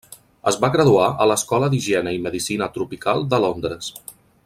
Es va graduar a l'Escola d'Higiene i Medicina Tropical de Londres.